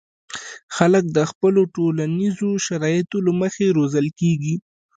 خلک د خپلو ټولنیزو شرایطو له مخې روزل کېږي.